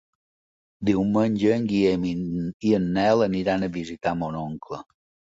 Diumenge en Guillem i en Nel aniran a visitar mon oncle.